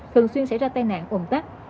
thường xuyên sẽ ra tai nạn ồn tắt